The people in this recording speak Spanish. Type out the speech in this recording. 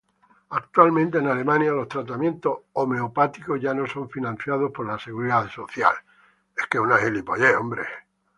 Actualmente, en Alemania, los tratamientos homeopáticos ya no son financiados por la Seguridad Social.